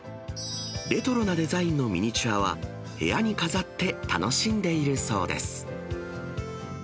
レトロなデザインのミニチュアは、部屋に飾って楽しんでいるそうです。